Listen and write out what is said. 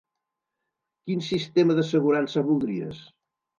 Quin sistema d'assegurança voldries?